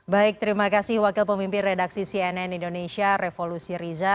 baik terima kasih wakil pemimpin redaksi cnn indonesia revolusi riza